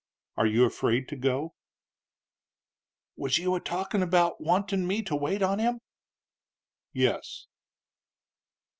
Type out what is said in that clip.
Are you afraid to go?" "Was you a talkin' 'bout wantin' me to wait on him?" "Yes."